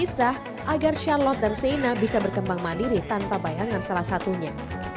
mereka juga terpisah agar charlotte dan seyna bisa berkembang mandiri tanpa bayangan salah satunya